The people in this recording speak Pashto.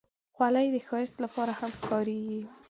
خولۍ د ښایست لپاره هم کارېږي.